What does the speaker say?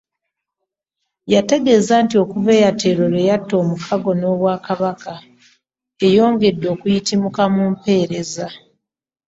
Ye ategeezezza nti okuva Airtel lwe yatta omukago n'Obwakabaka, eyongedde okuyitimuka mu mpeereza